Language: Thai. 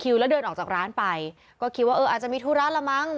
แล้วเดินออกจากร้านไปก็คิดว่าเอออาจจะมีธุระละมั้ง